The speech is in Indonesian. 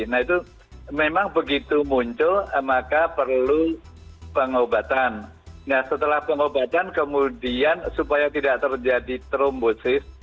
nah itu memang begitu muncul maka perlu pengobatan nah setelah pengobatan kemudian supaya tidak terjadi trombosis